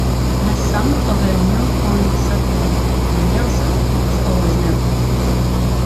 The sum of a nilpotent subring and a nil subring is always nil.